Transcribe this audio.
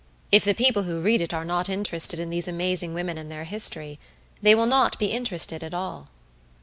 If the people who read it are not interested in these amazing women and their history, they will not be interested at all.